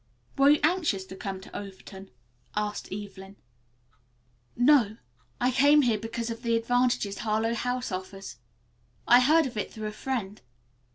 "Were you anxious to come to Overton?" asked Evelyn. "No. I came here because of the advantages Harlowe House offers. I heard of it through a friend.